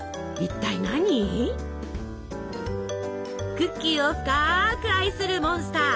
クッキーを深く愛するモンスター。